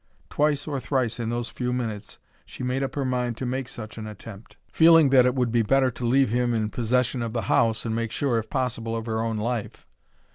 Twice or thrice in those few minutes she made up her mind to make such an attempt, feeling that it would be better to leave him in possession of the house, and make sure, if possible, of her own life.